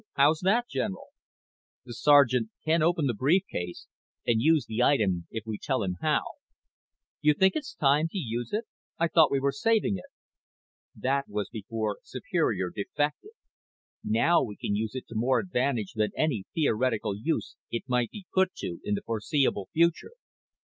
How's that, General?" "The sergeant can open the brief case and use the item if we tell him how." "You think it's time to use it? I thought we were saving it." "That was before Superior defected. Now we can use it to more advantage than any theoretical use it might be put to in the foreseeable future."